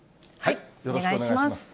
お願いします。